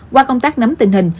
qua công tác nắm tình hình